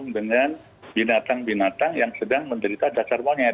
langsung dengan binatang binatang yang sedang menderita cacar monyet